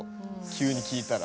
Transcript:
急に聞いたら。